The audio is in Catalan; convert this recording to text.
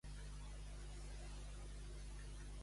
Agafar aloses amb mirallets.